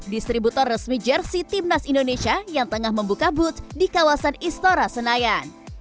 distributor resmi jersey timnas indonesia yang tengah membuka booth di kawasan istora senayan